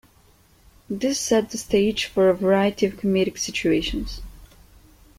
This set the stage for a variety of comedic situations.